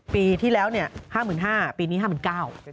ปีที่แล้ว๕๕๐๐๐บาทปีนี้๕๙๐๐๐บาท